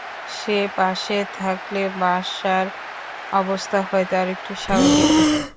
সে পাশে থাকলে বাসার অবস্থা হয়তো আরেকটু স্বাভাবিক হত।